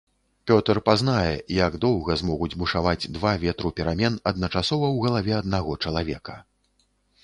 Пётр пазнае, як доўга змогуць бушаваць два ветру перамен адначасова ў галаве аднаго чалавека.